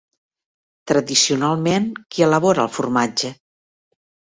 Tradicionalment qui elabora el formatge?